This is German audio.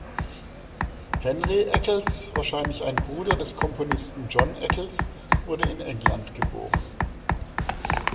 Henry Eccles, wahrscheinlich ein Bruder des Komponisten John Eccles wurde in England geboren.